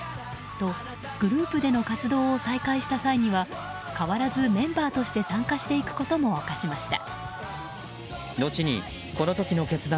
と、グループでの活動を再開した際には変わらず、メンバーとして参加していくことも明かしました。